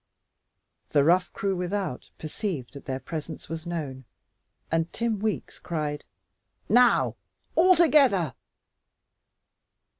The rough crew without perceived that their presence was known, and Tim Weeks cried, "Now, all together!"